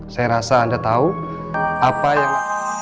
saya rasa anda tahu apa yang